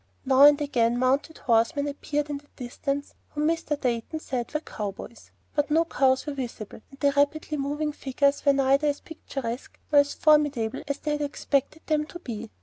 Now and again mounted horsemen appeared in the distance whom Mr. Dayton said were "cow boys;" but no cows were visible, and the rapidly moving figures were neither as picturesque nor as formidable as they had expected them to be.